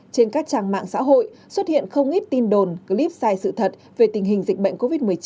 trên các trang mạng xã hội xuất hiện không ít tin đồn clip sai sự thật về tình hình dịch bệnh covid một mươi chín